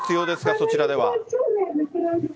そちらでは。